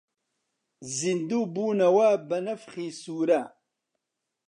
زیندوو بوونەوە بە نەفخی سوورە